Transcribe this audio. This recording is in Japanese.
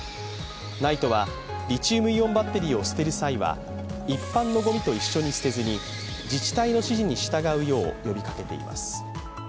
ＮＩＴＥはリチウムイオンバッテリーを捨てる際は一般のごみと一緒に捨てずに自治体の指示に従うよう呼びかけています。